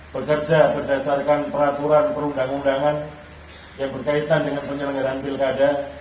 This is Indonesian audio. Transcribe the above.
bekerja berdasarkan peraturan perundang undangan yang berkaitan dengan penyelenggaran pilkada